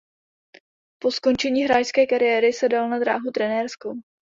Po skončení hráčské kariéry se dal na dráhu trenérskou.